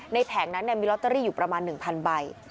แผงนั้นมีลอตเตอรี่อยู่ประมาณ๑๐๐ใบ